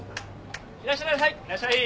いらっしゃいいらっしゃい。